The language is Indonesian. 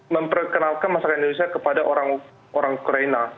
memperkenalkan masakan indonesia kepada orang ukraina